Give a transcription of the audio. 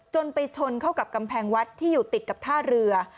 ไปชนเข้ากับกำแพงวัดที่อยู่ติดกับท่าเรือ